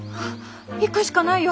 行くしかないよ。